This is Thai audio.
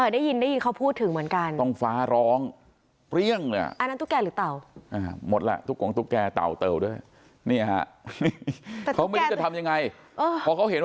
ได้ยินเขาพูดถึงเหมือนกัน